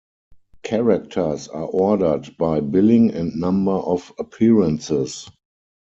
Characters are ordered by billing and number of appearances.